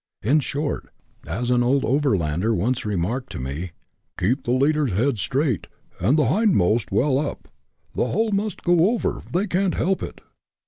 In short, as an old overlander once remarked to me, " keep the leaders' heads straight, and the hindmost well up, the whole must go over ; they can't help it."